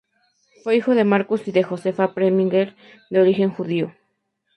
Fue hijo de Markus y de Josefa Preminger, de origen judío.